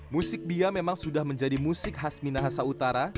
musik bia memang sudah menjadi musik khas minahasa utara